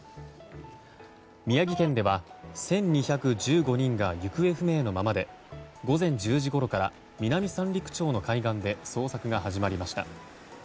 宮城県では、１２１５人が行方不明のままで午前１０時ごろから南三陸町の海岸で捜索が始まりました。